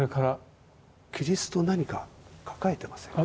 キリスト何かを抱えてませんか？